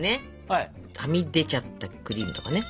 はみ出ちゃったクリームとかね